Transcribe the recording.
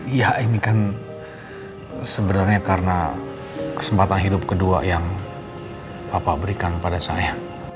iya ini kan sebenarnya karena kesempatan hidup kedua yang bapak berikan pada saya